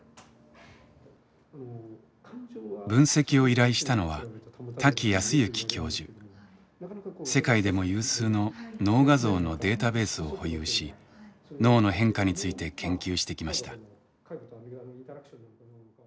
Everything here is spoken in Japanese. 分析を依頼したのは世界でも有数の脳画像のデータベースを保有し脳の変化について研究してきました。